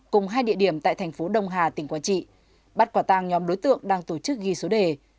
cùng hai địa điểm tại thành phố đông hà tỉnh quảng trị bắt quả tang nhóm đối tượng đang tổ chức ghi số đề